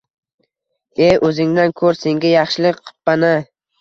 Ey, oʻzingdan koʻr. Senga yaxshilik qippan-a.